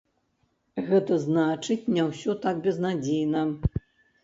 Гэта значыць, не ўсё так безнадзейна.